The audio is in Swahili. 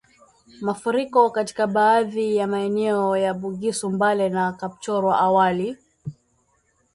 Mafuriko katika baadhi ya maeneo ya Bugisu Mbale na Kapchorwa awali